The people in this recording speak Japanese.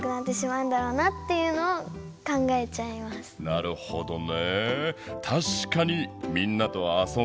なるほどね。